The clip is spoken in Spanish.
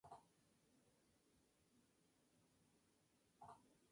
En los Estados Unidos, "Acacia paradoxa" es una bien conocida maleza nociva en California.